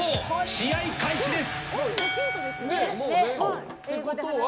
試合開始です。